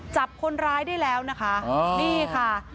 จับคนร้ายได้แล้วนะคะนี่ค่ะ